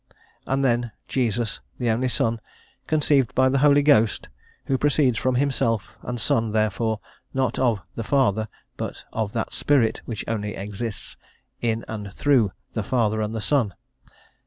And then Jesus, the only Son, conceived by the Holy Ghost, who proceeds from Himself, and son, therefore, not of "the Father," but of that spirit which only exists in and through "the Father and the Son."